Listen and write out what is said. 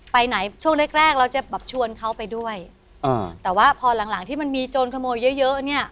ไปไหนช่วงแรกแรกเราจะแบบชวนเขาไปด้วยอ่าแต่ว่าพอหลังหลังที่มันมีโจรขโมยเยอะเยอะเนี้ย